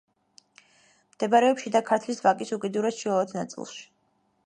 მდებარეობს შიდა ქართლის ვაკის უკიდურეს ჩრდილოეთ ნაწილში.